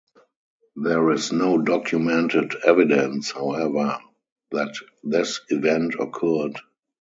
There is no documented evidence, however, that this event occurred.